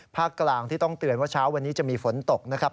กลางที่ต้องเตือนว่าเช้าวันนี้จะมีฝนตกนะครับ